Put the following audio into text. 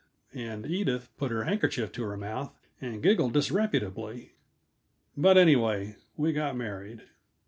And Edith put her handkerchief to her mouth and giggled disreputably. But, anyway, we got married.